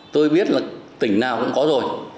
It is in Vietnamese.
tôi biết là tỉnh nào cũng có rồi